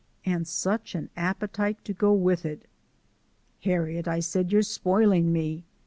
and such an appetite to go with it! "Harriet," I said, "you're spoiling me.